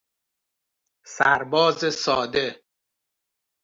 سرباز ساده